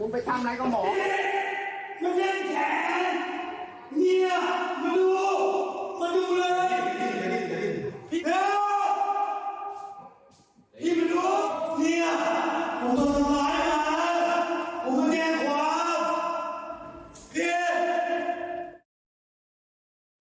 พี่เนี่ย